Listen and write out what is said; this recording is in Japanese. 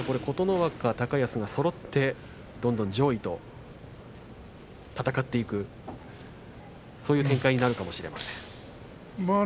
琴ノ若、高安がそろってどんどん上位と戦っていくそういう展開になるかもしれません。